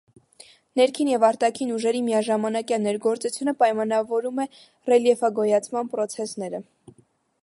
Ներքին և արտաքին ուժերի միաժամանակյա ներգործությունը պայմանավորում է ռելիեֆագոյացման պրոցեսները։